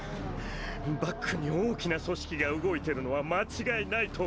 バックに大きな組織が動いてるのは間違いないと思うけど。